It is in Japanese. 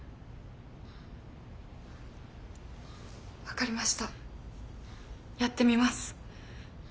分かりましたやってみます。